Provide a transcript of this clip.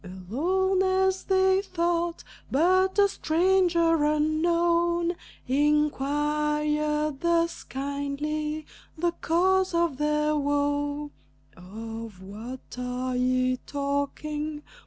Alone, as they thought; but a stranger unknown Inquired thus kindly the cause of their woe: "Of what are ye talking?